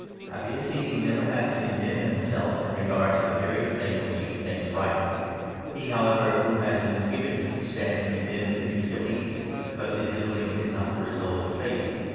Happy is he who never has to condemn himself in regard to the very thing which he thinks right ! He, however, who has mis 23 givings stands condemned if he still eats, because his doing so is not the result of faith.